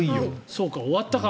そうか、終わったか。